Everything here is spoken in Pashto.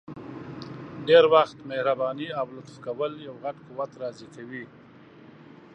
ډير وخت مهرباني او لطف کول یو غټ قوت راضي کوي!